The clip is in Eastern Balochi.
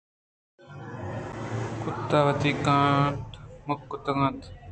کُتّ ءَ وتی کانٹ مِکّ کُت اَنت